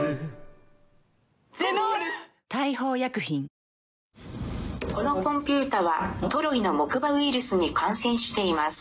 ニトリこのコンピューターは、トロイの木馬ウイルスに感染しています。